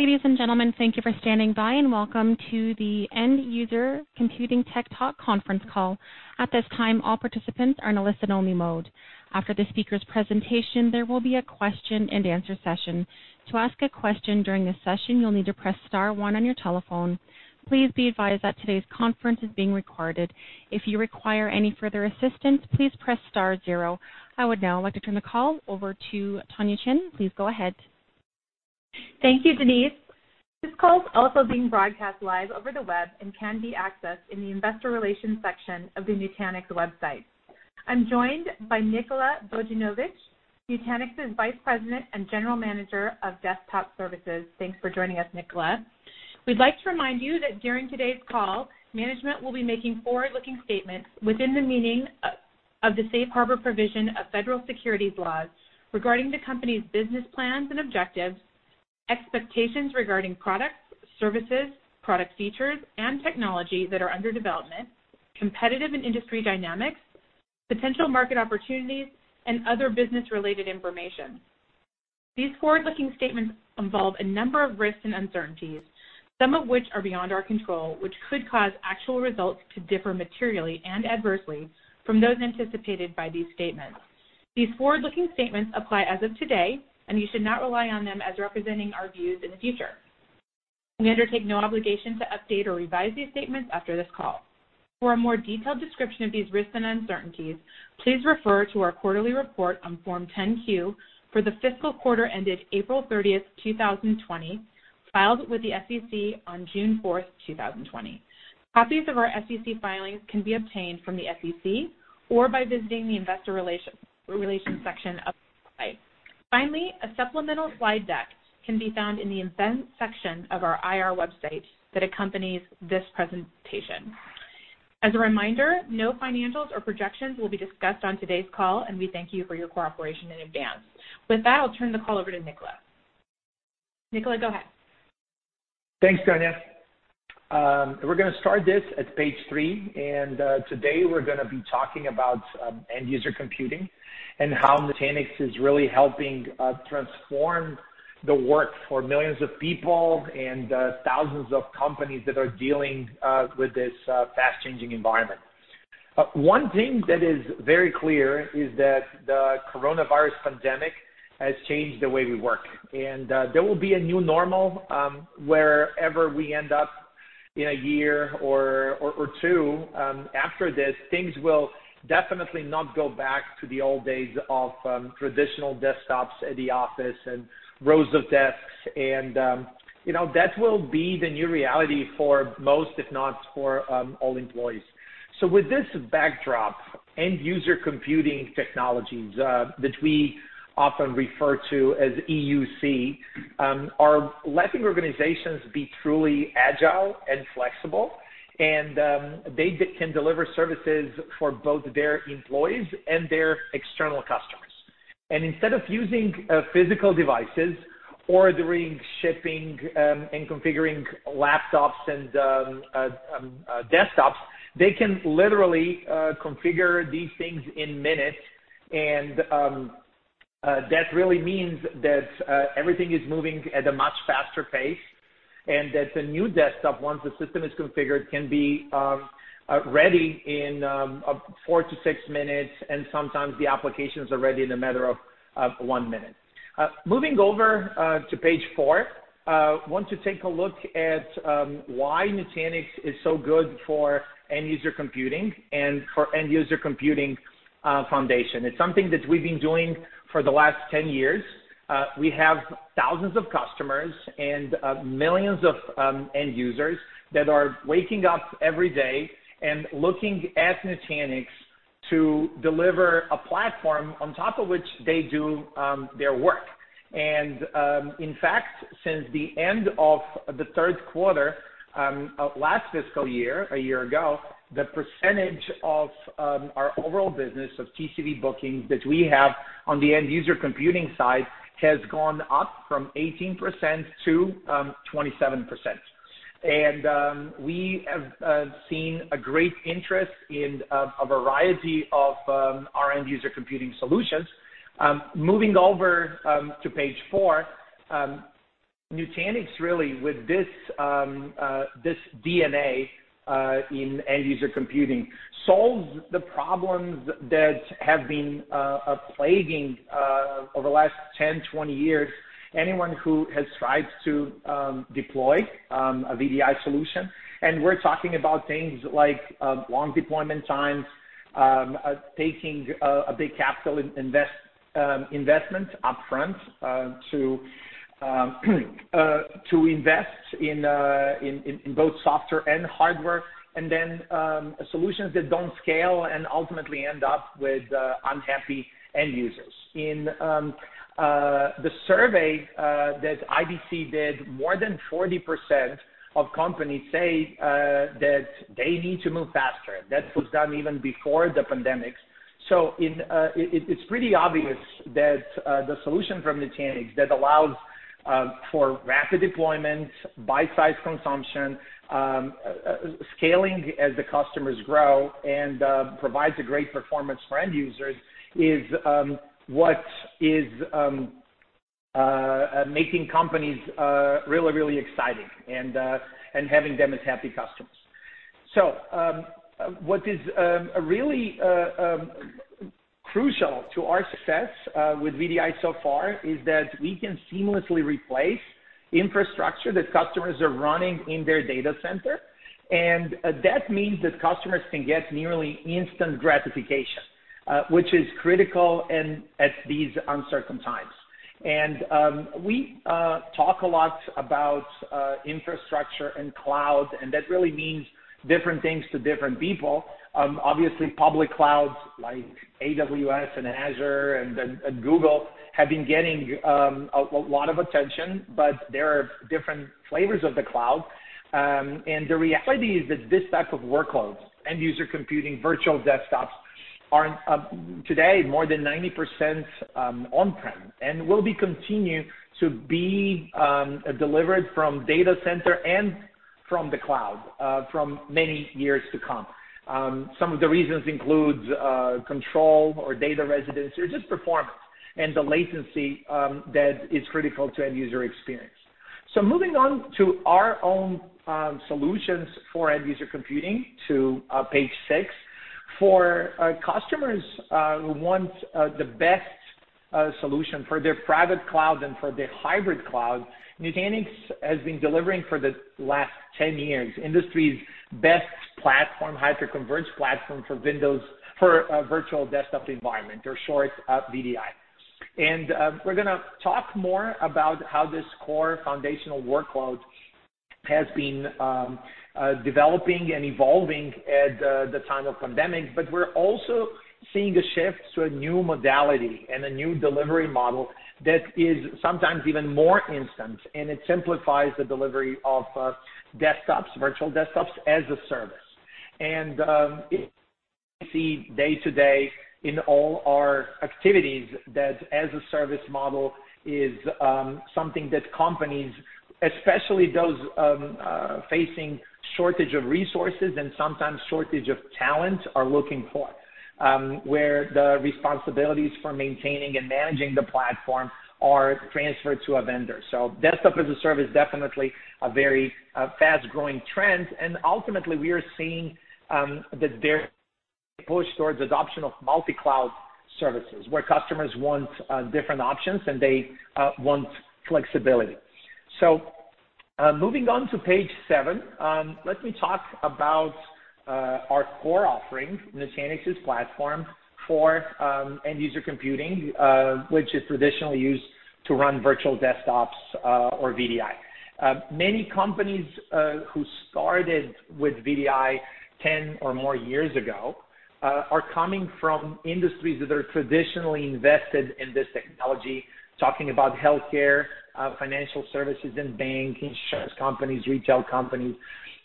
Ladies and gentlemen, thank you for standing by and Welcome to the End-User Computing Tech Talk Conference Call. At this time, all participants are in a listen-only mode. After the speaker's presentation, there will be a question-and-answer session. To ask a question during this session, you'll need to press star one on your telephone. Please be advised that today's conference is being recorded. If you require any further assistance, please press star zero. I would now like to turn the call over to Tonya Chin. Please go ahead. Thank you, Denise. This call is also being broadcast live over the web and can be accessed in the investor relations section of the Nutanix website. I'm joined by Nikola Bozinovic, Nutanix's Vice President and General Manager of Desktop Services. Thanks for joining us, Nikola. We'd like to remind you that during today's call, management will be making forward-looking statements within the meaning of the safe harbor provision of federal securities laws regarding the company's business plans and objectives, expectations regarding products, services, product features, and technology that are under development, competitive and industry dynamics, potential market opportunities, and other business-related information. These forward-looking statements involve a number of risks and uncertainties, some of which are beyond our control, which could cause actual results to differ materially and adversely from those anticipated by these statements. These forward-looking statements apply as of today, and you should not rely on them as representing our views in the future. We undertake no obligation to update or revise these statements after this call. For a more detailed description of these risks and uncertainties, please refer to our quarterly report on Form 10-Q for the fiscal quarter ended April 30, 2020, filed with the SEC on June 4, 2020. Copies of our SEC filings can be obtained from the SEC or by visiting the investor relations section of the website. Finally, a supplemental slide deck can be found in the event section of our IR website that accompanies this presentation. As a reminder, no financials or projections will be discussed on today's call, and we thank you for your cooperation in advance. With that, I'll turn the call over to Nikola. Nikola, go ahead. Thanks, Tonya. We're going to start this at page three, and today we're going to be talking about End-User Computing and how Nutanix is really helping transform the work for millions of people and thousands of companies that are dealing with this fast-changing environment. One thing that is very clear is that the coronavirus pandemic has changed the way we work, and there will be a new normal wherever we end up in a year or two after this. Things will definitely not go back to the old days of traditional desktops at the office and rows of desks, and that will be the new reality for most, if not for all employees. With this backdrop, End-User Computing technologies that we often refer to as EUC, are letting organizations be truly agile and flexible, and they can deliver services for both their employees and their external customers. Instead of using physical devices, ordering, shipping, and configuring laptops and desktops, they can literally configure these things in minutes, and that really means that everything is moving at a much faster pace and that the new desktop, once the system is configured, can be ready in four to six minutes, and sometimes the applications are ready in a matter of one minute. Moving over to page four, I want to take a look at why Nutanix is so good for End-User Computing and for End-User Computing foundation. It's something that we've been doing for the last 10 years. We have thousands of customers and millions of end-users that are waking up every day and looking at Nutanix to deliver a platform on top of which they do their work. In fact, since the end of the Q3 last fiscal year, a year ago, the percentage of our overall business of TCV bookings that we have on the End-User Computing side has gone up from 18%-27%. We have seen a great interest in a variety of our End-User Computing solutions. Moving over to page four, Nutanix really, with this DNA in End-User Computing, solves the problems that have been plaguing over the last 10-20 years anyone who has tried to deploy a VDI solution. We're talking about things like long deployment times, taking a big capital investment upfront to invest in both software and hardware, and then solutions that do not scale and ultimately end up with unhappy end-users. In the survey that IDC did, more than 40% of companies say that they need to move faster. That was done even before the pandemic. It is pretty obvious that the solution from Nutanix that allows for rapid deployment, bite-sized consumption, scaling as the customers grow, and provides a great performance for end-users is what is making companies really, really exciting and having them as happy customers. What is really crucial to our success with VDI so far is that we can seamlessly replace infrastructure that customers are running in their data center, and that means that customers can get nearly instant gratification, which is critical at these uncertain times. We talk a lot about infrastructure and cloud, and that really means different things to different people. Obviously, public clouds like AWS and Azure and Google have been getting a lot of attention, but there are different flavors of the cloud. The reality is that this type of workload, End-User Computing, virtual desktops, are today more than 90% on-prem and will continue to be delivered from data center and from the cloud for many years to come. Some of the reasons include control or data residency or just performance and the latency that is critical to end-user experience. Moving on to our own solutions for End-User Computing to page six for customers who want the best solution for their private cloud and for the hybrid cloud. Nutanix has been delivering for the last 10 years industry's best platform, hyperconverged platform for virtual desktop environment, or short VDI. We are going to talk more about how this core foundational workload has been developing and evolving at the time of pandemic, but we are also seeing a shift to a new modality and a new delivery model that is sometimes even more instant, and it simplifies the delivery of desktops, virtual desktops as a service. We see day to day in all our activities that as a service model is something that companies, especially those facing shortage of resources and sometimes shortage of talent, are looking for, where the responsibilities for maintaining and managing the platform are transferred to a vendor. Desktop as a service is definitely a very fast-growing trend, and ultimately, we are seeing that there is a push towards adoption of multi-cloud services where customers want different options and they want flexibility. Moving on to page seven, let me talk about our core offering, Nutanix's platform for End-User Computing, which is traditionally used to run virtual desktops or VDI. Many companies who started with VDI 10 or more years ago are coming from industries that are traditionally invested in this technology, talking about healthcare, financial services, and banking, insurance companies, retail companies.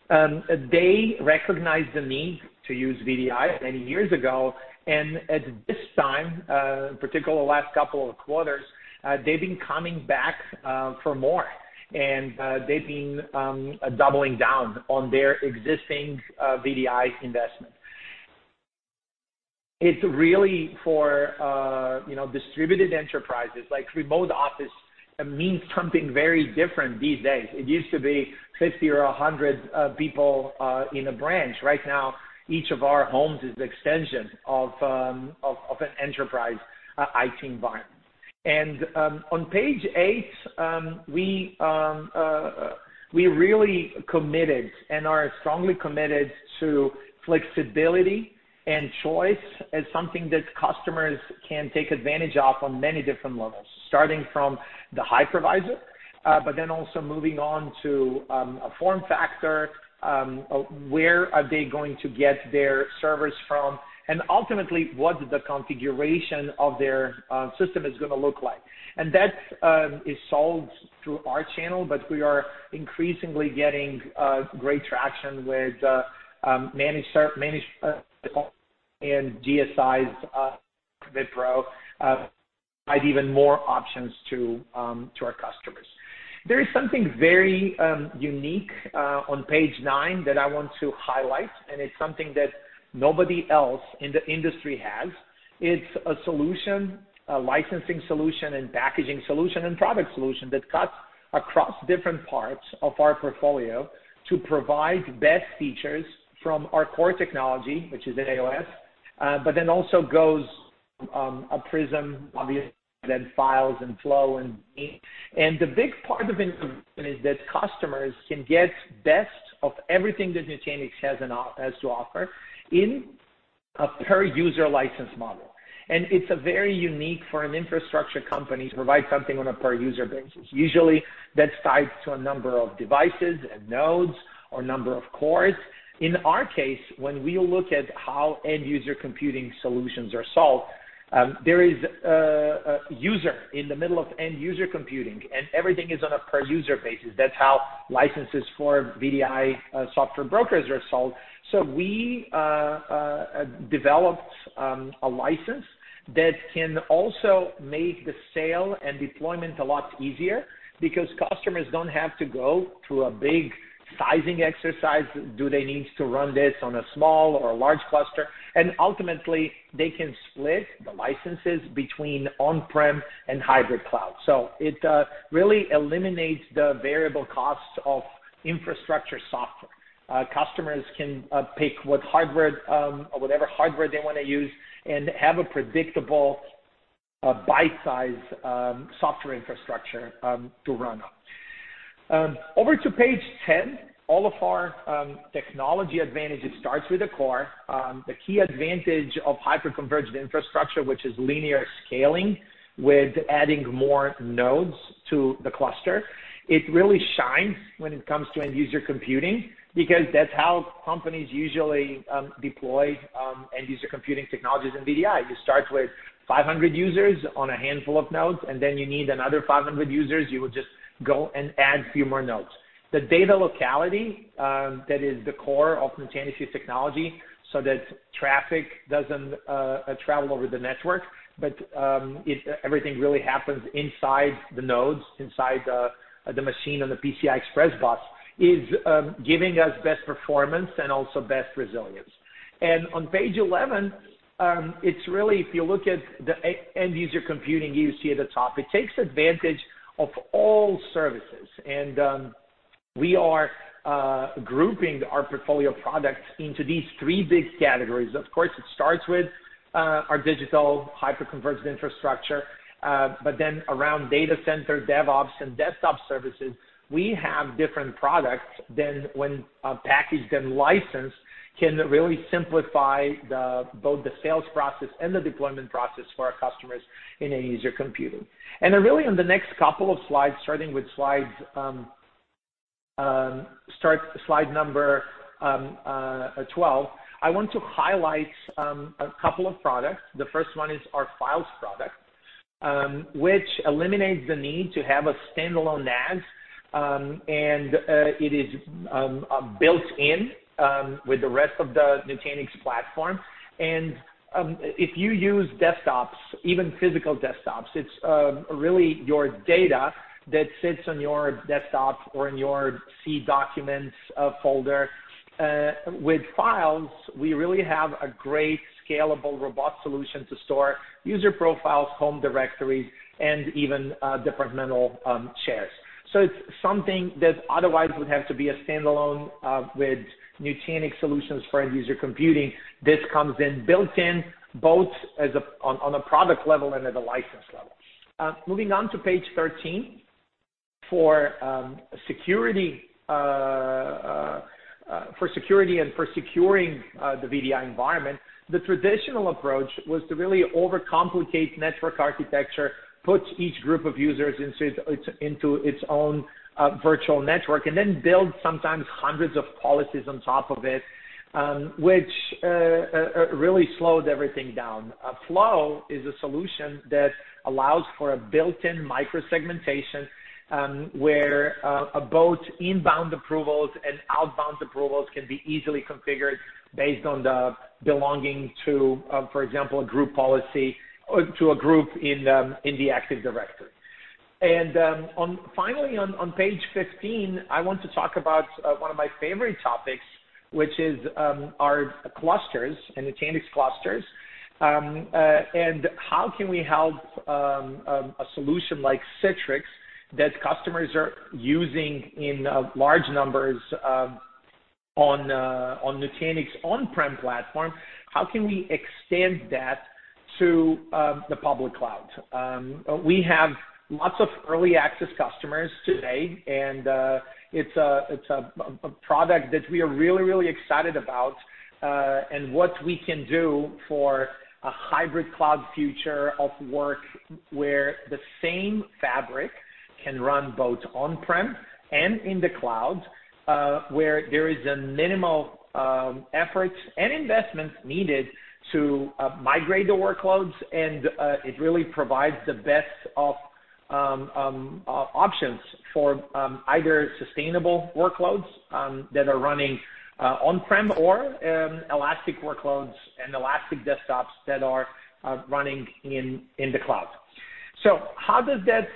They recognized the need to use VDI many years ago, and at this time, particularly the last couple of quarters, they've been coming back for more, and they've been doubling down on their existing VDI investment. It's really for distributed enterprises like remote office that means something very different these days. It used to be 50 or 100 people in a branch. Right now, each of our homes is an extension of an enterprise IT environment. On page eight, we really committed and are strongly committed to flexibility and choice as something that customers can take advantage of on many different levels, starting from the hypervisor, but then also moving on to a form factor, where are they going to get their servers from, and ultimately, what the configuration of their system is going to look like. That is solved through our channel, but we are increasingly getting great traction with managed and GSIs Wipro provide even more options to our customers. There is something very unique on page nine that I want to highlight, and it's something that nobody else in the industry has. It's a solution, a licensing solution, and packaging solution, and product solution that cuts across different parts of our portfolio to provide best features from our core technology, which is AOS, but then also goes to Prism, obviously, then Files and Flow and Meet. The big part of it is that customers can get the best of everything that Nutanix has to offer in a per-user license model. It's very unique for an infrastructure company to provide something on a per-user basis. Usually, that's tied to a number of devices and nodes or a number of cores. In our case, when we look at how End-User Computing solutions are solved, there is a user in the middle of End-User Computing, and everything is on a per-user basis. That's how licenses for VDI software brokers are sold. We developed a license that can also make the sale and deployment a lot easier because customers do not have to go through a big sizing exercise. Do they need to run this on a small or a large cluster? Ultimately, they can split the licenses between on-prem and hybrid cloud. It really eliminates the variable costs of infrastructure software. Customers can pick whatever hardware they want to use and have a predictable bite-sized software infrastructure to run on. Over to page 10, all of our technology advantages start with the core. The key advantage of hyperconverged infrastructure, which is linear scaling with adding more nodes to the cluster, really shines when it comes to End-User Computing because that is how companies usually deploy End-User Computing technologies in VDI. You start with 500 users on a handful of nodes, and then you need another 500 users. You will just go and add a few more nodes. The data locality that is the core of Nutanix's technology so that traffic does not travel over the network, but everything really happens inside the nodes, inside the machine on the PCI Express bus, is giving us best performance and also best resilience. On page 11, if you look at the End-User Computing you see at the top, it takes advantage of all services. We are grouping our portfolio products into these three big categories. Of course, it starts with our digital hyperconverged infrastructure, but then around data center, DevOps, and desktop services, we have different products that when packaged and licensed can really simplify both the sales process and the deployment process for our customers in End-User Computing. On the next couple of slides, starting with slide number 12, I want to highlight a couple of products. The first one is our Files product, which eliminates the need to have a standalone NAS, and it is built in with the rest of the Nutanix platform. If you use desktops, even physical desktops, it's really your data that sits on your desktop or in your C documents folder. With Files, we really have a great scalable robust solution to store user profiles, home directories, and even departmental shares. It's something that otherwise would have to be a standalone with Nutanix solutions for End-User Computing. This comes in built in both on a product level and at a license level. Moving on to page 13, for security and for securing the VDI environment, the traditional approach was to really overcomplicate network architecture, put each group of users into its own virtual network, and then build sometimes hundreds of policies on top of it, which really slowed everything down. Flow is a solution that allows for a built-in micro-segmentation where both inbound approvals and outbound approvals can be easily configured based on belonging to, for example, a group policy to a group in the Active Directory. Finally, on page 15, I want to talk about one of my favorite topics, which is our clusters and Nutanix clusters, and how can we help a solution like Citrix that customers are using in large numbers on Nutanix on-prem platform, how can we extend that to the public cloud? We have lots of early access customers today, and it's a product that we are really, really excited about and what we can do for a hybrid cloud future of work where the same fabric can run both on-prem and in the cloud where there is a minimal effort and investment needed to migrate the workloads, and it really provides the best of options for either sustainable workloads that are running on-prem or elastic workloads and elastic desktops that are running in the cloud. How does that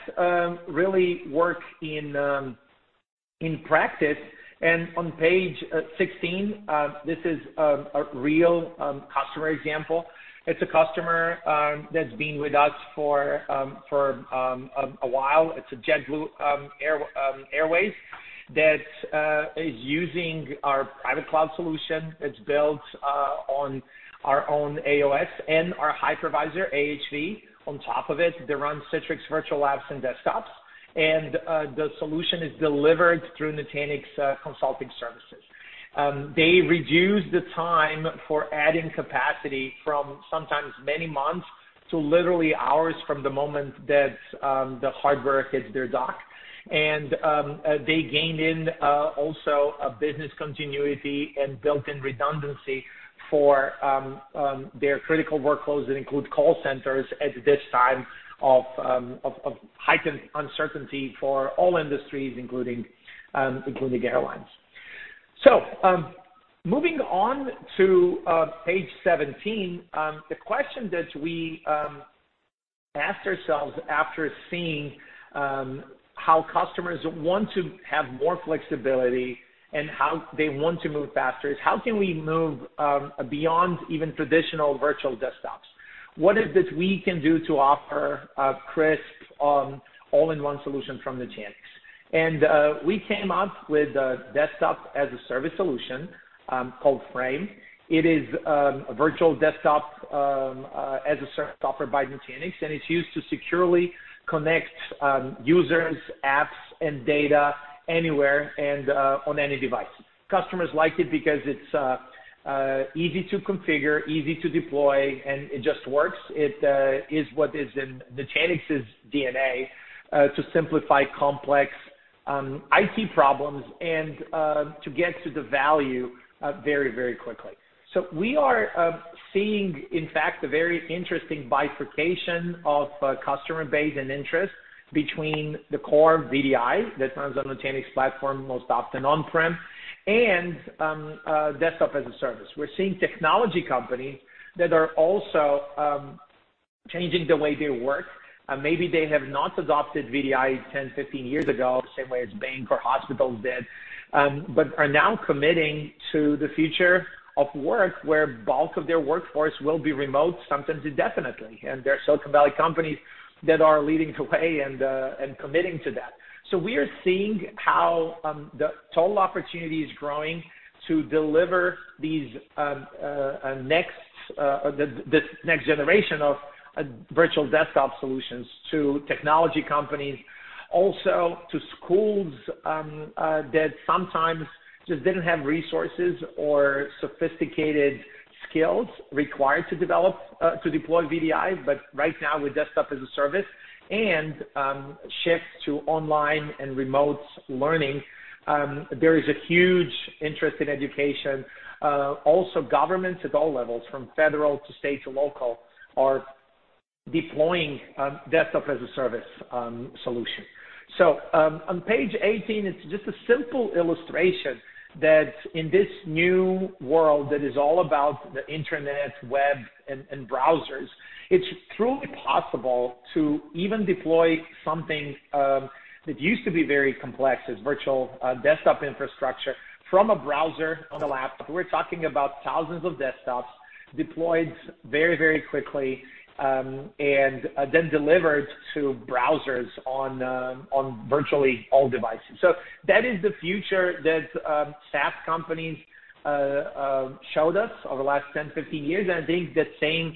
really work in practice? On page 16, this is a real customer example. It's a customer that's been with us for a while. It's JetBlue Airways that is using our private cloud solution that's built on our own AOS and our hypervisor AHV on top of it. They run Citrix Virtual Apps and Desktops, and the solution is delivered through Nutanix consulting services. They reduce the time for adding capacity from sometimes many months to literally hours from the moment that the hardware hits their dock. They gained in also a business continuity and built-in redundancy for their critical workloads that include call centers at this time of heightened uncertainty for all industries, including airlines. Moving on to page 17, the question that we asked ourselves after seeing how customers want to have more flexibility and how they want to move faster is, how can we move beyond even traditional virtual desktops? What is it that we can do to offer a crisp all-in-one solution from Nutanix? We came up with a Desktop as a Service solution called Frame. It is a virtual desktop as a service offered by Nutanix, and it's used to securely connect users, apps, and data anywhere and on any device. Customers like it because it's easy to configure, easy to deploy, and it just works. It is what is in Nutanix's DNA to simplify complex IT problems and to get to the value very, very quickly. We are seeing, in fact, a very interesting bifurcation of customer base and interest between the core VDI that runs on Nutanix platform most often on-prem and desktop as a service. We're seeing technology companies that are also changing the way they work. Maybe they have not adopted VDI 10, 15 years ago, the same way as banks or hospitals did, but are now committing to the future of work where bulk of their workforce will be remote sometimes indefinitely. There are Silicon Valley companies that are leading the way and committing to that. We are seeing how the total opportunity is growing to deliver this next generation of virtual desktop solutions to technology companies, also to schools that sometimes just did not have resources or sophisticated skills required to deploy VDI, but right now with desktop as a service and shift to online and remote learning, there is a huge interest in education. Also, governments at all levels, from federal to state to local, are deploying desktop as a service solution. On page 18, it is just a simple illustration that in this new world that is all about the internet, web, and browsers, it is truly possible to even deploy something that used to be very complex as virtual desktop infrastructure from a browser on a laptop. We're talking about thousands of desktops deployed very, very quickly and then delivered to browsers on virtually all devices. That is the future that SaaS companies showed us over the last 10-15 years. I think that same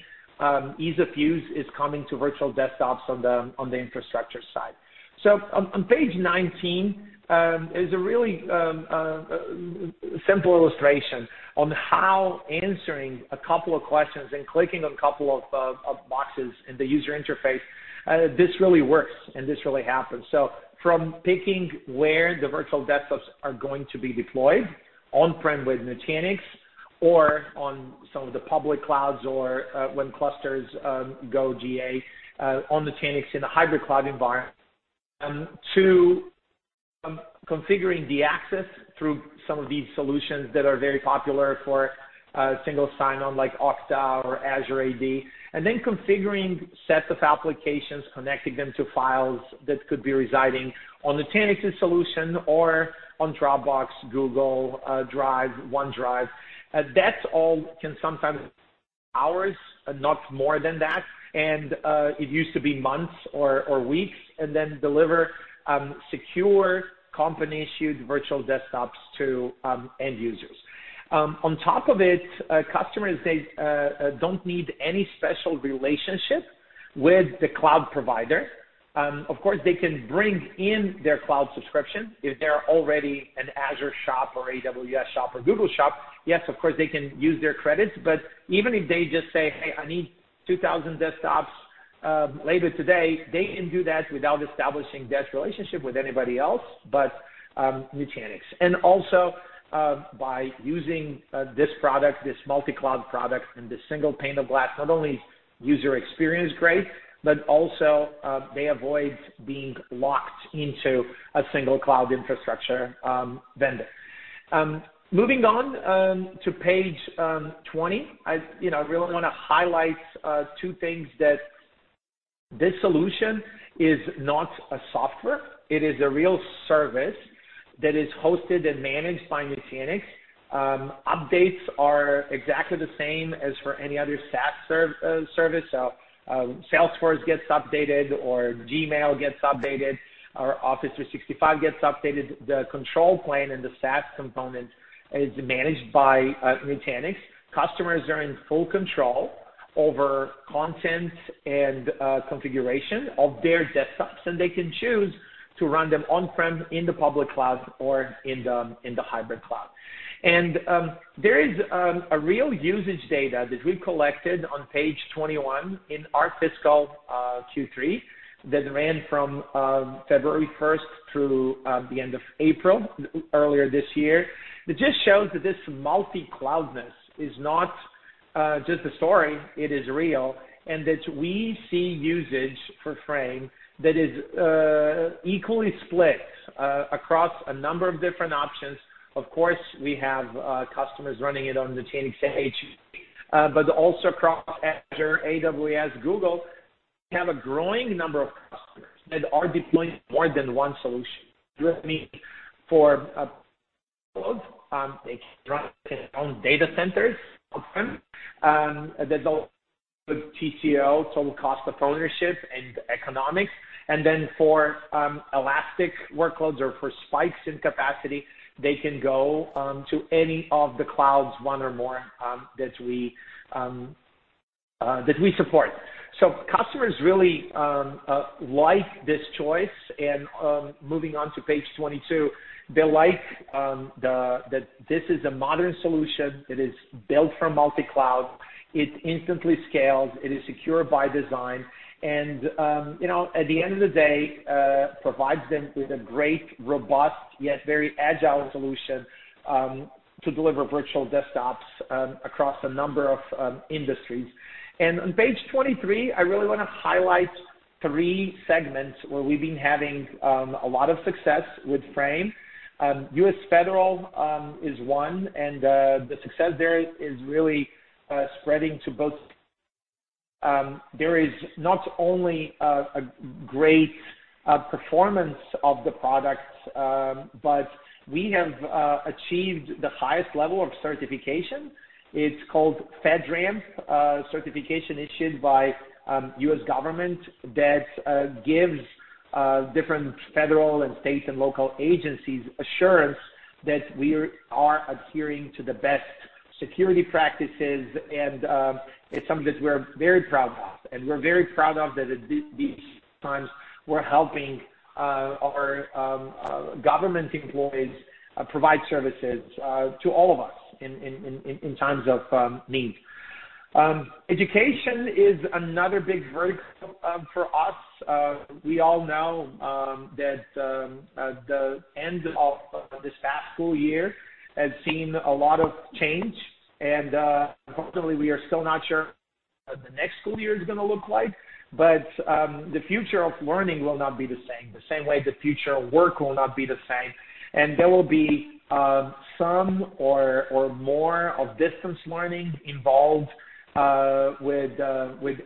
ease of use is coming to virtual desktops on the infrastructure side. On page 19, there's a really simple illustration on how answering a couple of questions and clicking on a couple of boxes in the user interface, this really works and this really happens. From picking where the virtual desktops are going to be deployed on-prem with Nutanix or on some of the public clouds or when clusters go GA on Nutanix in a hybrid cloud environment to configuring the access through some of these solutions that are very popular for single sign-on like Okta or Azure AD, and then configuring sets of applications, connecting them to files that could be residing on Nutanix's solution or on Dropbox, Google Drive, OneDrive. That all can sometimes take hours, not more than that, and it used to be months or weeks, and then deliver secure company-issued virtual desktops to end-users. On top of it, customers, they do not need any special relationship with the cloud provider. Of course, they can bring in their cloud subscription. If they are already an Azure shop or AWS shop or Google shop, yes, of course, they can use their credits. Even if they just say, "Hey, I need 2,000 desktops later today," they can do that without establishing that relationship with anybody else but Nutanix. Also, by using this product, this multi-cloud product and this single pane of glass, not only is user experience great, but they avoid being locked into a single cloud infrastructure vendor. Moving on to page 20, I really want to highlight two things: this solution is not a software. It is a real service that is hosted and managed by Nutanix. Updates are exactly the same as for any other SaaS service. Salesforce gets updated or Gmail gets updated or Office 365 gets updated. The control plane and the SaaS component is managed by Nutanix. Customers are in full control over content and configuration of their desktops, and they can choose to run them on-prem in the public cloud or in the hybrid cloud. There is real usage data that we collected on page 21 in our fiscal Q3 that ran from February 1, 2020 through the end of April earlier this year. It just shows that this multi-cloudness is not just a story. It is real and that we see usage for Frame that is equally split across a number of different options. Of course, we have customers running it on Nutanix, HPE, but also across Azure, AWS, Google. We have a growing number of customers that are deploying more than one solution. For workloads, they can run their own data centers on-prem. They do not have TCO, total cost of ownership, and economics. For elastic workloads or for spikes in capacity, they can go to any of the clouds, one or more that we support. Customers really like this choice. Moving on to page 22, they like that this is a modern solution that is built for multi-cloud. It instantly scales. It is secure by design. At the end of the day, it provides them with a great, robust, yet very agile solution to deliver virtual desktops across a number of industries. On page 23, I really want to highlight three segments where we've been having a lot of success with Frame. U.S. federal is one, and the success there is really spreading to both. There is not only a great performance of the product, but we have achieved the highest level of certification. It's called FedRAMP certification issued by the U.S. government that gives different federal and state and local agencies assurance that we are adhering to the best security practices, and it's something that we're very proud of. We're very proud of that at these times we're helping our government employees provide services to all of us in times of need. Education is another big vertical for us. We all know that the end of this past school year has seen a lot of change, and unfortunately, we are still not sure what the next school year is going to look like. The future of learning will not be the same, the same way the future of work will not be the same. There will be some or more of distance learning involved with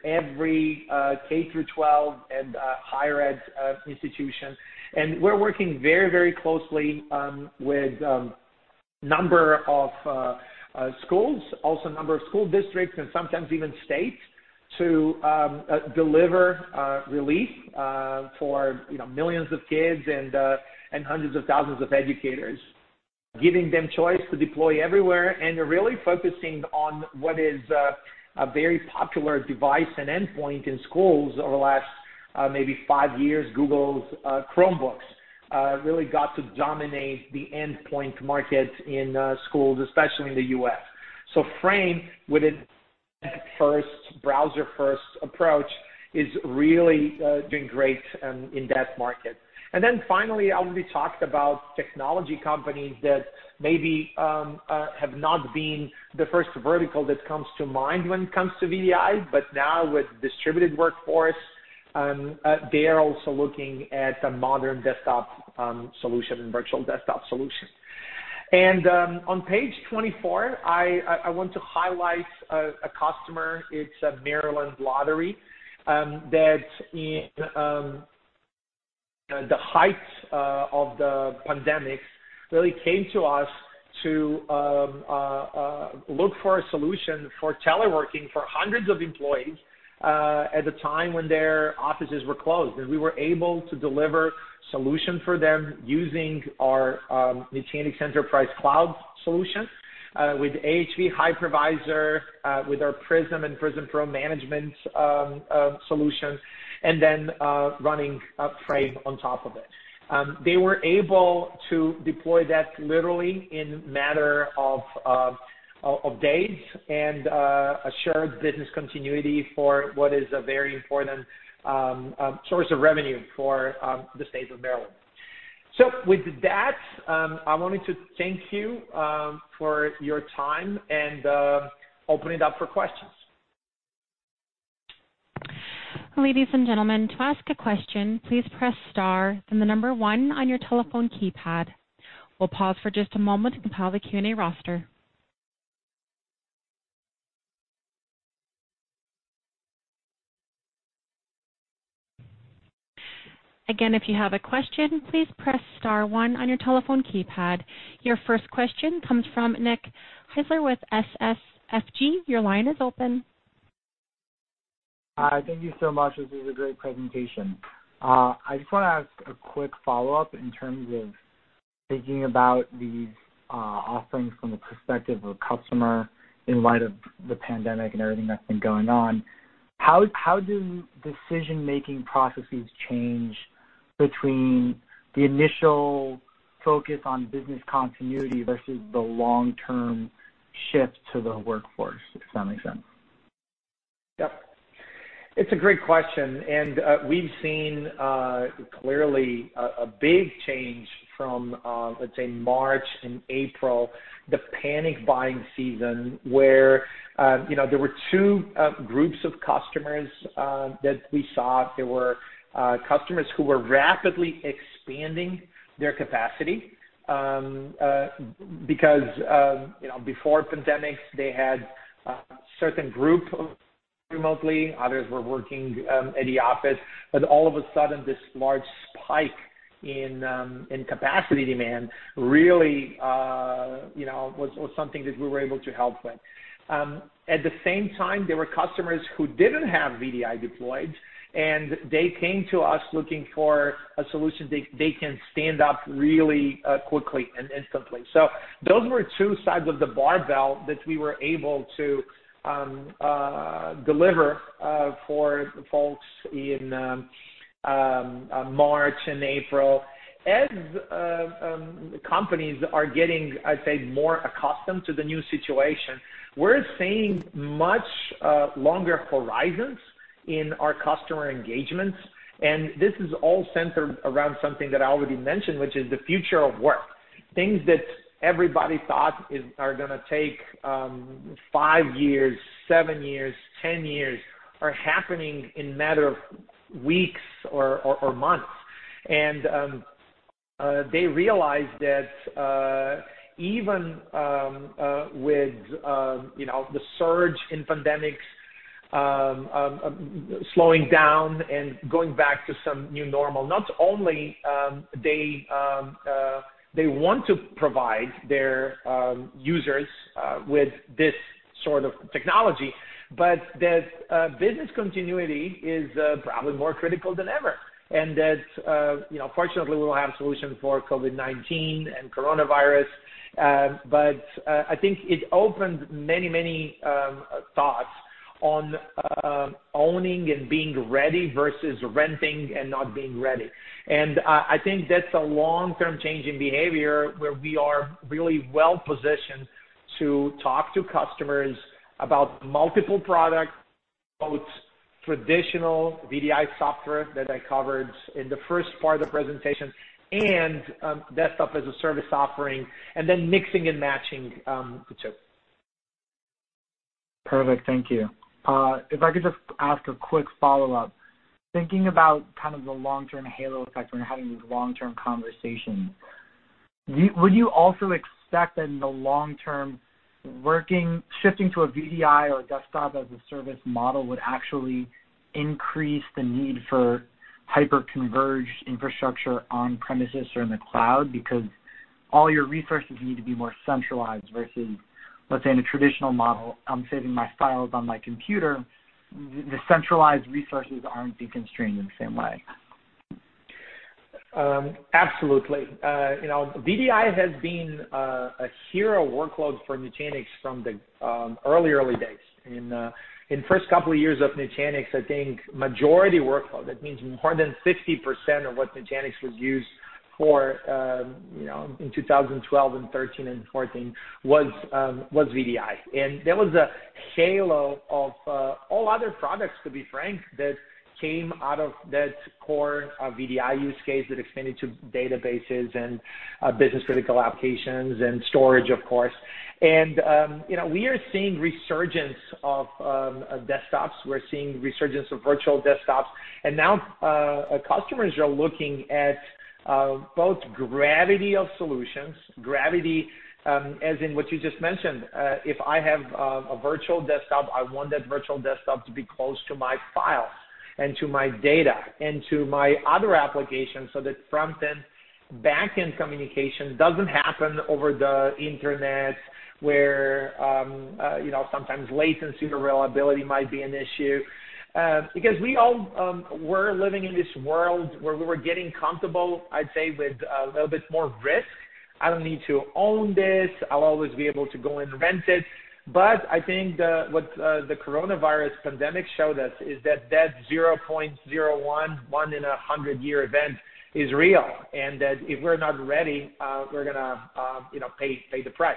every K through 12 and higher ed institution. We are working very, very closely with a number of schools, also a number of school districts, and sometimes even states to deliver relief for millions of kids and hundreds of thousands of educators, giving them choice to deploy everywhere and really focusing on what is a very popular device and endpoint in schools over the last maybe five years. Google's Chromebooks really got to dominate the endpoint market in schools, especially in the U.S.. Frame, with its first browser-first approach, is really doing great in that market. Finally, I will be talking about technology companies that maybe have not been the first vertical that comes to mind when it comes to VDI, but now with distributed workforce, they are also looking at a modern desktop solution and virtual desktop solution. On page 24, I want to highlight a customer. It's a Maryland Lottery that, in the height of the pandemic, really came to us to look for a solution for teleworking for hundreds of employees at a time when their offices were closed. We were able to deliver a solution for them using our Nutanix Enterprise Cloud solution with AHV hypervisor, with our Prism and Prism Pro management solutions, and then running Frame on top of it. They were able to deploy that literally in a matter of days and assured business continuity for what is a very important source of revenue for the state of Maryland. With that, I wanted to thank you for your time and open it up for questions. Ladies and gentlemen, to ask a question, please press star and the number one on your telephone keypad. We'll pause for just a moment to compile the Q&A roster. Again, if you have a question, please press star one on your telephone keypad. Your first question comes from Nick Heisler with SSFG. Your line is open. Hi, thank you so much. This is a great presentation. I just want to ask a quick follow-up in terms of thinking about these offerings from the perspective of a customer in light of the pandemic and everything that's been going on. How do decision-making processes change between the initial focus on business continuity versus the long-term shift to the workforce, if that makes sense? Yep. It's a great question. We've seen clearly a big change from, let's say, March and April, the panic buying season where there were two groups of customers that we saw. There were customers who were rapidly expanding their capacity because before pandemics, they had a certain group remotely. Others were working at the office. All of a sudden, this large spike in capacity demand really was something that we were able to help with. At the same time, there were customers who didn't have VDI deployed, and they came to us looking for a solution that they can stand up really quickly and instantly. Those were two sides of the barbell that we were able to deliver for folks in March and April. As companies are getting, I'd say, more accustomed to the new situation, we're seeing much longer horizons in our customer engagements. This is all centered around something that I already mentioned, which is the future of work. Things that everybody thought are going to take five years, seven years, ten years are happening in a matter of weeks or months. They realized that even with the surge in pandemics slowing down and going back to some new normal, not only do they want to provide their users with this sort of technology, but that business continuity is probably more critical than ever. Fortunately, we will have solutions for COVID-19 and coronavirus. I think it opened many, many thoughts on owning and being ready versus renting and not being ready. I think that is a long-term change in behavior where we are really well-positioned to talk to customers about multiple products, both traditional VDI software that I covered in the first part of the presentation and desktop as a service offering, and then mixing and matching the two. Perfect. Thank you. If I could just ask a quick follow-up, thinking about kind of the long-term halo effect when you're having these long-term conversations, would you also expect that in the long term, shifting to a VDI or Desktop as a Service model would actually increase the need for hyperconverged infrastructure on-premises or in the cloud? Because all your resources need to be more centralized versus, let's say, in a traditional model, I'm saving my files on my computer. The centralized resources aren't deconstrained in the same way. Absolutely. VDI has been a hero workload for Nutanix from the early, early days. In the first couple of years of Nutanix, I think majority workload, that means more than 50% of what Nutanix was used for in 2012 and 2013 and 2014, was VDI. There was a halo of all other products, to be frank, that came out of that core VDI use case that extended to databases and business-critical applications and storage, of course. We are seeing resurgence of desktops. We're seeing resurgence of virtual desktops. Now customers are looking at both gravity of solutions, gravity as in what you just mentioned. If I have a virtual desktop, I want that virtual desktop to be close to my files and to my data and to my other applications so that front-end, back-end communication does not happen over the internet where sometimes latency or reliability might be an issue. We all were living in this world where we were getting comfortable, I'd say, with a little bit more risk. I do not need to own this. I'll always be able to go and rent it. I think what the coronavirus pandemic showed us is that that 0.01, one in a hundred-year event is real, and that if we're not ready, we're going to pay the price.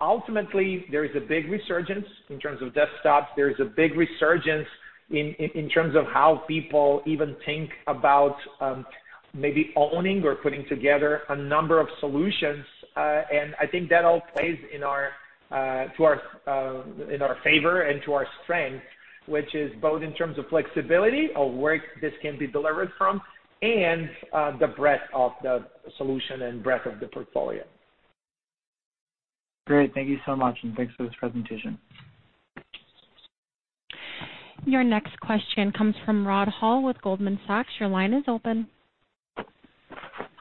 Ultimately, there is a big resurgence in terms of desktops. There is a big resurgence in terms of how people even think about maybe owning or putting together a number of solutions. I think that all plays to our favor and to our strength, which is both in terms of flexibility of where this can be delivered from and the breadth of the solution and breadth of the portfolio. Great. Thank you so much. Thanks for this presentation. Your next question comes from Rod Hall with Goldman Sachs. Your line is open.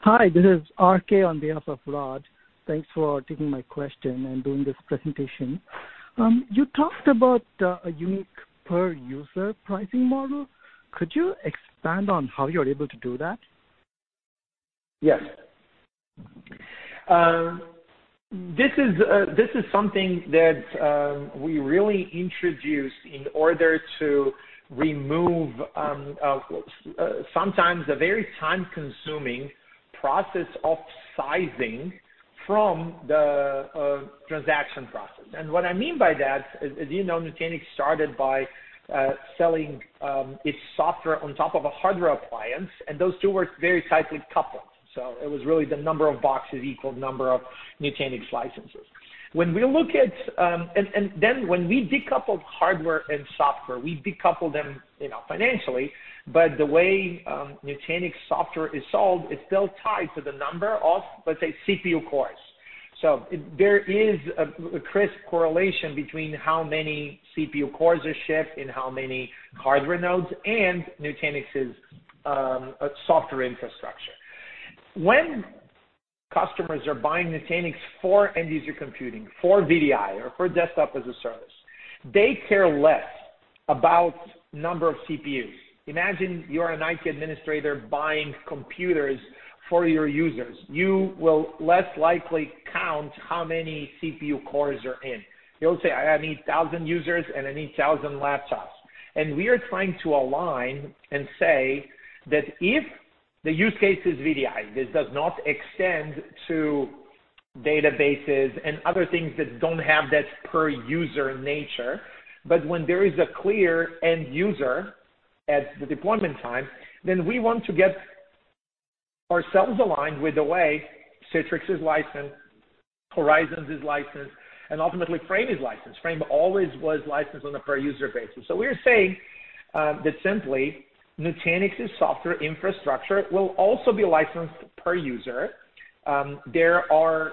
Hi. This is RK on behalf of Rod. Thanks for taking my question and doing this presentation. You talked about a unique per-user pricing model. Could you expand on how you're able to do that? Yes. This is something that we really introduced in order to remove sometimes a very time-consuming process of sizing from the transaction process. What I mean by that is Nutanix started by selling its software on top of a hardware appliance, and those two were very tightly coupled. It was really the number of boxes equaled the number of Nutanix licenses. When we look at and then when we decoupled hardware and software, we decoupled them financially. The way Nutanix software is sold, it's still tied to the number of, let's say, CPU cores. There is a crisp correlation between how many CPU cores are shipped and how many hardware nodes and Nutanix's software infrastructure. When customers are buying Nutanix for End-User Computing, for VDI, or for desktop as a service, they care less about the number of CPUs. Imagine you're a IT administrator buying computers for your users. You will less likely count how many CPU cores are in. You'll say, "I need 1,000 users and I need 1,000 laptops." We are trying to align and say that if the use case is VDI, this does not extend to databases and other things that do not have that per-user nature. When there is a clear end-user at the deployment time, we want to get ourselves aligned with the way Citrix is licensed, Horizons is licensed, and ultimately Frame is licensed. Frame always was licensed on a per-user basis. We are saying that simply Nutanix's software infrastructure will also be licensed per user. There are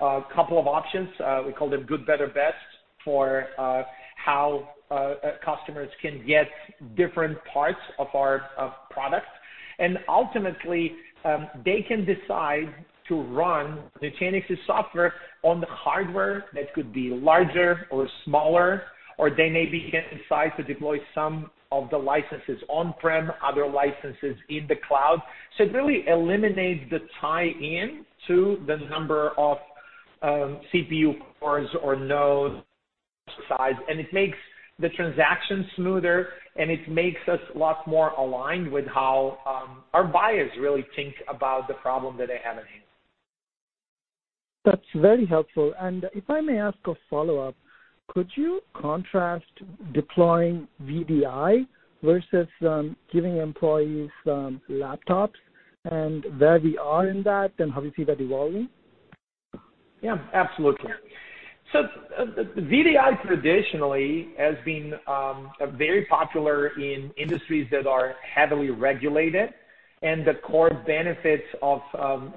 a couple of options. We call them good, better, best for how customers can get different parts of our product. Ultimately, they can decide to run Nutanix's software on the hardware that could be larger or smaller, or they maybe can decide to deploy some of the licenses on-prem, other licenses in the cloud. It really eliminates the tie-in to the number of CPU cores or nodes size. It makes the transaction smoother, and it makes us a lot more aligned with how our buyers really think about the problem that they have at hand. That's very helpful. If I may ask a follow-up, could you contrast deploying VDI versus giving employees laptops and where we are in that and how you see that evolving? Yeah. Absolutely. VDI traditionally has been very popular in industries that are heavily regulated. The core benefits of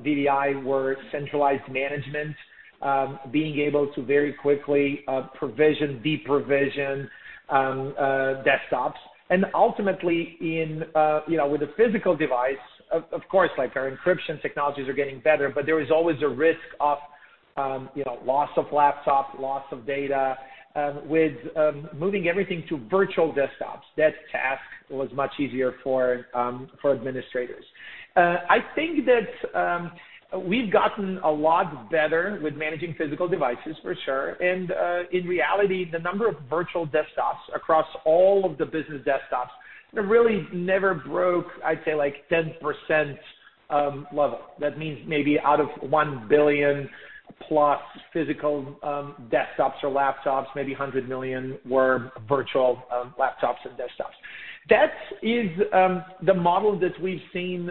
VDI were centralized management, being able to very quickly provision, deprovision desktops. Ultimately, with a physical device, of course, our encryption technologies are getting better, but there is always a risk of loss of laptop, loss of data. With moving everything to virtual desktops, that task was much easier for administrators. I think that we've gotten a lot better with managing physical devices, for sure. In reality, the number of virtual desktops across all of the business desktops really never broke, I'd say, like 10% level. That means maybe out of 1 billion plus physical desktops or laptops, maybe 100 million were virtual laptops and desktops. That is the model that we've seen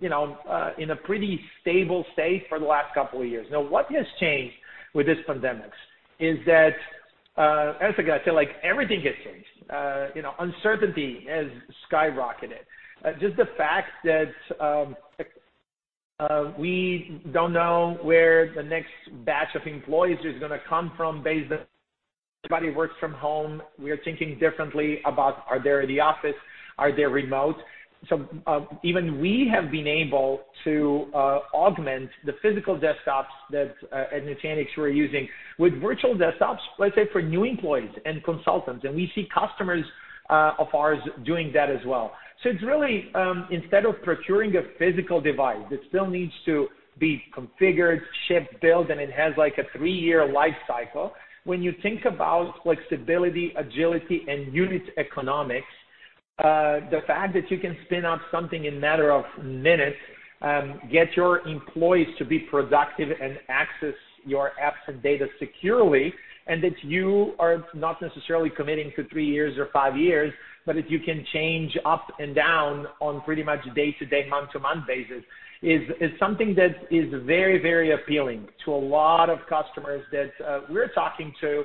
in a pretty stable state for the last couple of years. What has changed with this pandemic is that, as I said, everything has changed. Uncertainty has skyrocketed. Just the fact that we don't know where the next batch of employees is going to come from based on everybody works from home. We are thinking differently about, are they at the office? Are they remote? Even we have been able to augment the physical desktops that Nutanix were using with virtual desktops, let's say, for new employees and consultants. We see customers of ours doing that as well. It is really, instead of procuring a physical device that still needs to be configured, shipped, built, and it has like a three-year life cycle, when you think about flexibility, agility, and unit economics, the fact that you can spin up something in a matter of minutes, get your employees to be productive and access your apps and data securely, and that you are not necessarily committing to three years or five years, but that you can change up and down on pretty much day-to-day, month-to-month basis, is something that is very, very appealing to a lot of customers that we are talking to,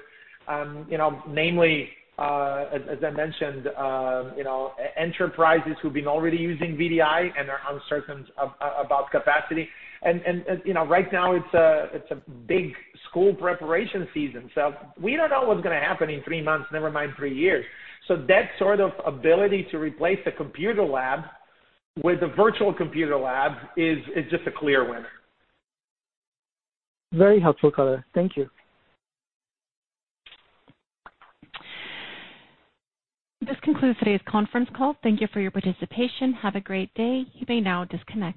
namely, as I mentioned, enterprises who have been already using VDI and are uncertain about capacity. Right now, it is a big school preparation season. We do not know what is going to happen in three months, never mind three years. That sort of ability to replace the computer lab with a virtual computer lab is just a clear winner. Very helpful, color. Thank you. This concludes today's conference call. Thank you for your participation. Have a great day. You may now disconnect.